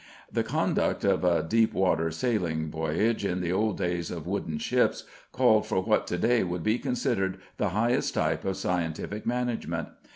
The conduct of a deep water sailing voyage in the old days of wooden ships called for what today would be considered the highest type of scientific management.